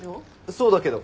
そうだけど。